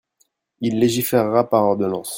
Il légiférera par ordonnance.